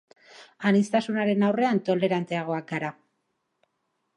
Aniztasunaren aurrean toleranteagoak gara.